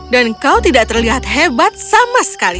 dan kau tidak terlihat hebat sama sekali